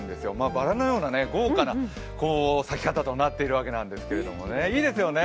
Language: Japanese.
ばらのような豪華な咲き方となっているわけなんですけれども、いいですよね。